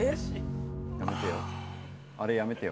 やめてよ。